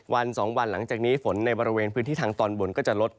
วัน๒วันหลังจากนี้ฝนในบริเวณพื้นที่ทางตอนบนก็จะลด